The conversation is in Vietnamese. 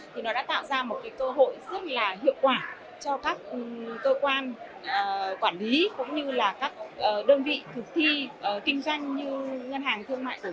thì nó đã tạo ra một cơ hội rất là hiệu quả cho các cơ quan quản lý cũng như là các đơn vị thực thi kinh doanh như ngân hàng thương mại của việt nam